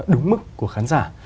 đúng mức của khán giả